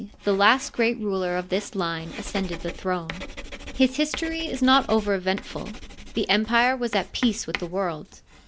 the last great ruler of this line as cended the throne. His history is not over eventful. The empire was at peace with the world.